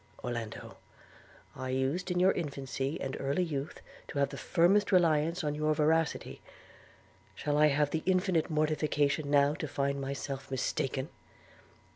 – Orlando, I used in your infancy and early youth to have the firmest reliance on your veracity; shall I have the infinite mortification now to find myself mistaken?